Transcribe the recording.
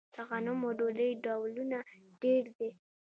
د غنمو ډوډۍ ډولونه ډیر دي.